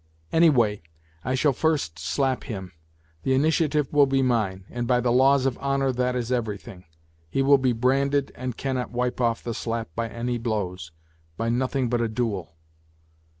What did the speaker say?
Anyway, I shall first slap him; the initiative will be mine ; and by the laws of honour that is every thing : he will be branded and cannot wipe off the slap by any blows, by nothing but a duel.